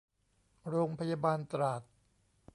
โรงพยาบาลตราด